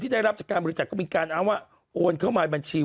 ได้รับจากการบริจักษ์ก็มีการอ้างว่าโอนเข้ามาบัญชี